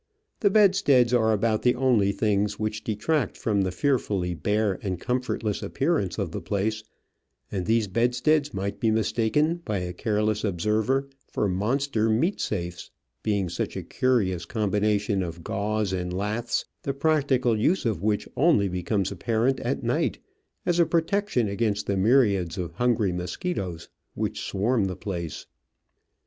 The bed steads are about the only things which detract from the fearfully bare and comfortless appearance of the place, and these bedsteads might be mistaken by a careless observer for monster meat safes, being such a curious combination of gauze and laths, the practical use of which only becomes apparent at night as a protection against the myriads of hungry mosquitoes which swarm the place.